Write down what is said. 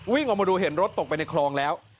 ออกมาดูเห็นรถตกไปในคลองแล้ว